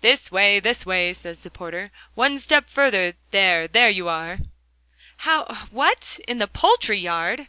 'This way, this way,' says the porter. 'One step further.... There, there you are.' 'How? what? in the poultry yard?